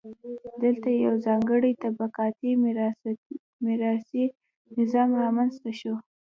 دلته یو ځانګړی طبقاتي میراثي نظام رامنځته شو.